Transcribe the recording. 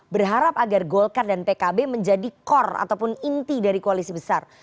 berharap agar golkar dan pkb menjadi core ataupun inti dari koalisi besar